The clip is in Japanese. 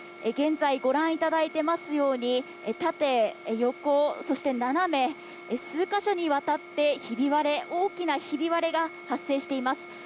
現在ご覧いただいていますように、縦、横、そして斜め、数か所にわたってひび割れ、大きなひび割れが発生しています。